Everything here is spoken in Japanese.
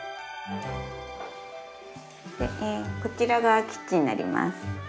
でえこちらがキッチンになります。